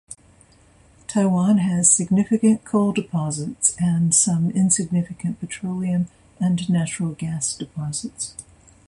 Taiwan has significant coal deposits and some insignificant petroleum and natural gas deposits.